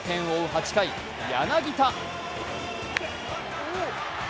８回、柳田！